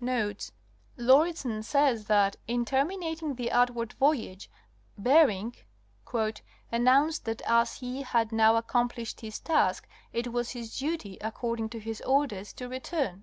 Notes.—Lauridsen says* that, in terminating the outward voyage, Bering ''announced that as he had now accomplished his task it was his duty, according to his orders, to return."